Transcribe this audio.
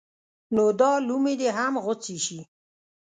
نو دا لومې دې هم غوڅې شي.